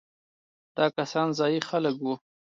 دا کسان ځايي خلک وو.